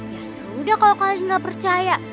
ya sudah kalau kalian nggak percaya